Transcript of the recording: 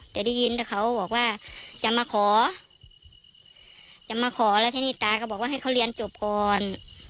แต่ได้ยินแต่เขาบอกว่าจะมาขอจะมาขอแล้วทีนี้ตาก็บอกว่าให้เขาเรียนจบก่อน